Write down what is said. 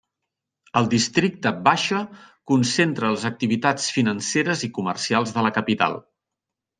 El districte Baixa concentra les activitats financeres i comercials de la capital.